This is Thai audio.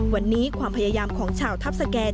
วันนี้ความพยายามของชาวทัพสแกน